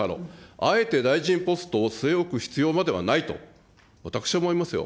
あえて大臣ポストを据え置く必要まではないと、私は思いますよ。